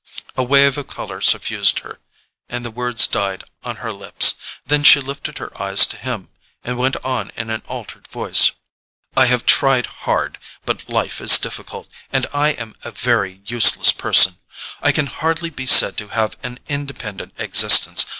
A wave of colour suffused her, and the words died on her lips. Then she lifted her eyes to his and went on in an altered voice. "I have tried hard—but life is difficult, and I am a very useless person. I can hardly be said to have an independent existence.